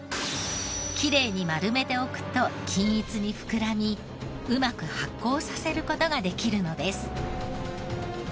きれいに丸めておくと均一に膨らみうまく発酵させる事ができるのです。